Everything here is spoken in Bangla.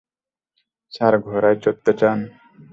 স্যার, ঘোড়ায় চড়তে চান?